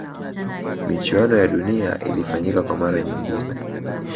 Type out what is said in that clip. michuano ya dunia ilifanyika kwa mara nyingine